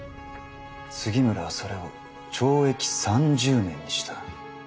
杉村はそれを懲役三十年にした。